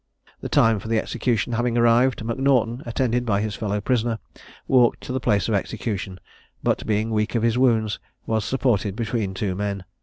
The time for the execution having arrived, M'Naughton, attended by his fellow prisoner, walked to the place of execution, but, being weak of his wounds, was supported between two men.